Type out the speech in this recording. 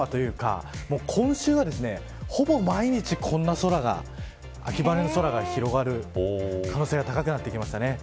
今週は、ほぼ毎日こんな空が秋晴れの空が広がる可能性が高くなってきました。